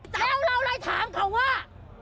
แต่เราเลยถามเขาว่า